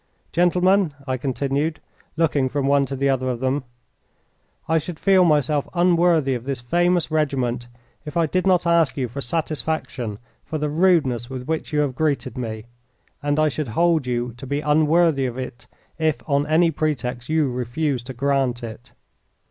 "Gentlemen," I continued, looking from one to the other of them, "I should feel myself unworthy of this famous regiment if I did not ask you for satisfaction for the rudeness with which you have greeted me, and I should hold you to be unworthy of it if on any pretext you refused to grant it."